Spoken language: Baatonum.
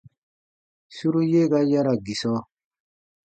Suru ye ga yara gisɔ.